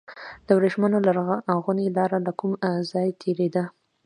د وریښمو لرغونې لاره له کوم ځای تیریده؟